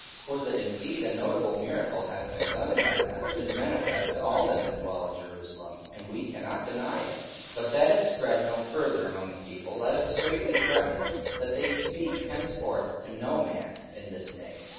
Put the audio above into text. for that indeed a notable miracle hath been done by them is manifest to all them that dwell in Jerusalem; and we cannot deny it. 44:004:017 But that it spread no further among the people, let us straitly threaten them, that they speak henceforth to no man in this name.